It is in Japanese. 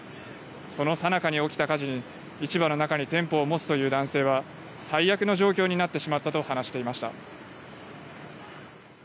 そのさなかに起きた火事に、市場の中に店舗を持つという男性は、最悪の状況になってしまったと話していました。